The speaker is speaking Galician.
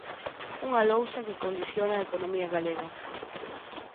Unha lousa que condiciona a economía galega.